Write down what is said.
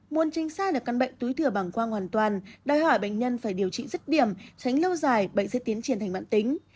muốn tránh xa được căn bệnh túi thừa bằng quang hoàn toàn đòi hỏi bệnh nhân phải điều trị rất điểm tránh lâu dài bệnh sẽ tiến triển thành mạng tính